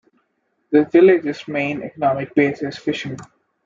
The village's main economic base is fishing.